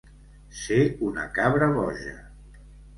Ser una cabra boja.